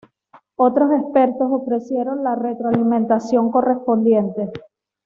Otros expertos ofrecieron la retroalimentación correspondiente.